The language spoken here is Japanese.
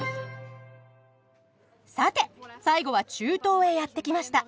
さて最後は中東へやって来ました！